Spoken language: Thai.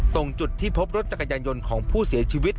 ตรงจุดที่พบรถจักรยานยนต์ของผู้เสียชีวิต